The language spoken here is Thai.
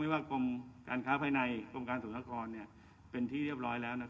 ว่ากรมการค้าภายในกรมการศูนยากรเป็นที่เรียบร้อยแล้ว